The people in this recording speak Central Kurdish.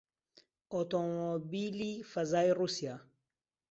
ئۆتۆمۆبیلی فەزای ڕووسیا